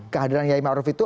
kehadiran kiai ma'ruf itu